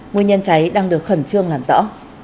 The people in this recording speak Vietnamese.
nguyên nhân cháy đang được khẩn trương làm rõ